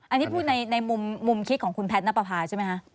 อันนี้พูดในมุมคิดของคุณแพทย์นับประพาใช่ไหมคะ